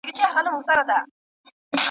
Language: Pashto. احمد کتاب واخیستی او بیرته خپل کور ته ولاړی.